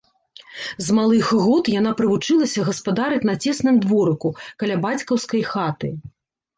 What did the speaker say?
З малых год яна прывучылася гаспадарыць на цесным дворыку, каля бацькаўскай хаты.